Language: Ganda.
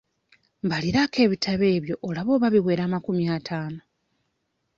Mbaliraako ebitabo ebyo olabe oba biwera amakumi ataano.